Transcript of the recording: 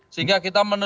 sehingga kita membangun